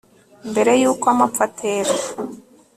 Mbere yuko amapfa atera